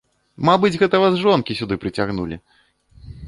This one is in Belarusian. Мабыць, гэта вас жонкі сюды прыцягнулі!